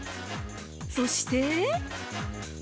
そして。